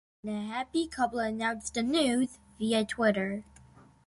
The happy couple announced the news via Twitter.